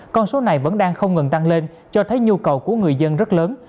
con số này vẫn đang không ngừng tăng lên cho thấy nhu cầu của người dân rất lớn